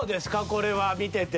これは見てて。